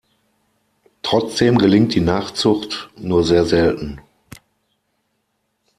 Trotzdem gelingt die Nachzucht nur sehr selten.